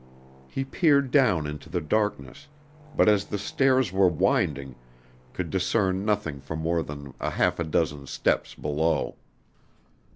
He peered down into the darkness, but, as the stairs were winding, could discern nothing for more than a half dozen steps below.